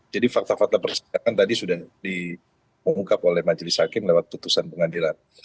jadi fakta fakta persidangan tadi sudah diungkap oleh majelis hakim lewat keputusan pengadilan